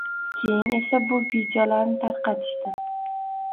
Keyin esa bu videolarni tarqatishdi.